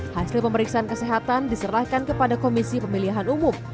hasil pemeriksaan kesehatan diserahkan kepada komisi pemilihan umum